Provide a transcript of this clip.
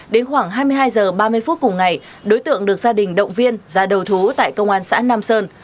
đến khoảng hai mươi hai h ba mươi phút cùng ngày đối tượng được gia đình động viên ra đầu thú tại công an xã nam sơn